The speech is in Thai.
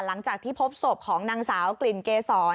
หลังจากที่พบศพของนางสาวกลิ่นเกษร